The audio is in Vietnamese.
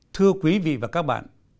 thưa quý vị và các bạn